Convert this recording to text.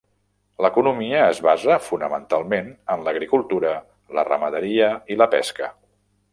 L'economia es basa fonamentalment en l'agricultura, la ramaderia i la pesca.